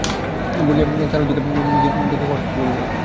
বলিয়া চারুর ঘরের দিকে কটাক্ষ করিল।